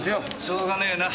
しょうがねえな。